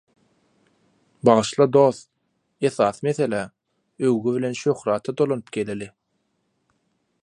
bagyşla, dost, esasy meselä – öwgi bilen şöhrata dolanyp geleli.